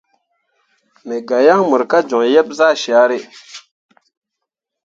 Me ga yaŋ mor ka joŋ yeb zah syare.